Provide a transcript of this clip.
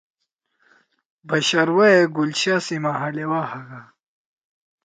بش آرواح ئے گُلشاہ سی محلے وا ہاگا